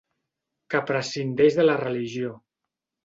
Que prescindeix de la religió.